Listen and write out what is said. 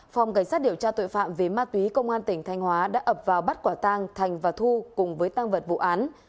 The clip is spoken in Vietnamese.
phòng cảnh sát điều tra tội phạm về ma túy công an tỉnh thanh hóa đã ập vào bắt quả tang thành và thu cùng với tăng vật vụ án